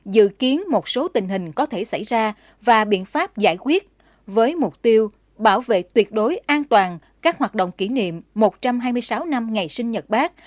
dự kiến một số tình hình có thể xảy ra và biện pháp giải quyết với mục tiêu bảo vệ tuyệt đối an toàn các hoạt động kỷ niệm một trăm hai mươi sáu năm ngày sinh nhật bác